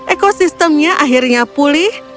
ekosistemnya akhirnya pulih